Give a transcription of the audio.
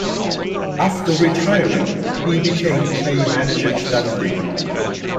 After retiring, he became player-manager of Dundee.